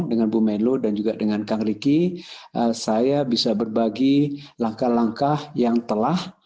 dengan bu menlo dan juga dengan kang ricky saya bisa berbagi langkah langkah yang telah